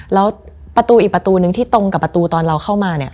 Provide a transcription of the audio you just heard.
แล้วประตูอีกประตูนึงที่ตรงกับประตูตอนเราเข้ามาเนี่ย